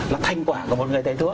là thành quả của một người thầy thuốc